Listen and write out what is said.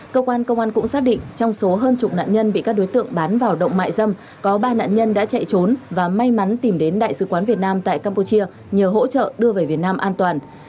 cơ quan công an cũng xác định trong số hơn chục nạn nhân bị các đối tượng bán vào động mại dâm có ba nạn nhân đã chạy trốn và may mắn tìm đến đại sứ quán việt nam tại campuchia nhờ hỗ trợ đưa về việt nam an toàn